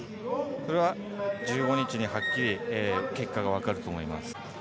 それは１５日にはっきり結果が分かると思います。